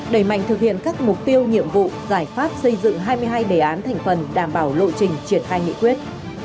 đẩy mạnh thực hiện các mục tiêu nhiệm vụ giải pháp xây dựng hai mươi hai đề án thành phần đảm bảo lộ trình triển khai nghị quyết